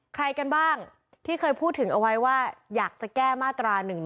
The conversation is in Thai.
ใครกันบ้างที่เคยพูดถึงเอาไว้ว่าอยากจะแก้มาตรา๑๑